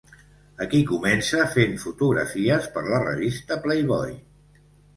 Aquí comença fent fotografies per la revista Playboy.